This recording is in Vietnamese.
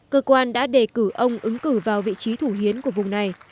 cơ quan đã đề cử ông ứng cử vào vị trí thủ hiến của vùng này